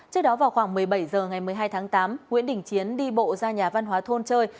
trước đó vào khoảng một mươi bảy h ngày một mươi hai tháng tám nguyễn đình chiến đi bộ ra nhà văn hóa thôn chơi